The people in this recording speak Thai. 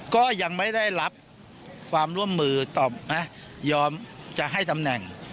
ก็ยังไม่ได้รับความร่วมมือตอบนะยอมจะให้ตำแหน่ง